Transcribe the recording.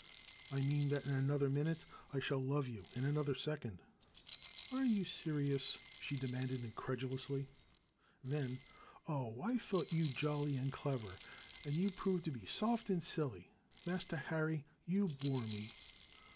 " I mean that in another minute I shall love you — ^in another second !" "Are you serious?" she demanded incredu lously. Then, "Oh, I thought you jolly and clever, and you prove to be soft and silly ! Mas ter Harry, you bore me